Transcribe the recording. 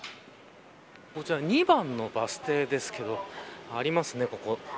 こちら２番のバス停ですけどありますね、ここ。